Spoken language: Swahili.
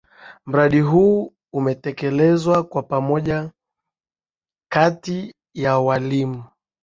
Mradi huu umetekelezwa kwa pamoja kati ya walimu.